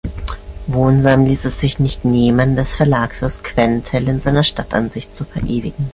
Woensam ließ es sich nicht nehmen, das Verlagshaus Quentell in seiner Stadtansicht zu verewigen.